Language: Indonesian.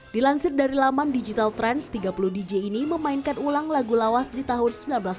dilansir dari laman digital trends tiga puluh dj ini memainkan ulang lagu lawas di tahun seribu sembilan ratus sembilan puluh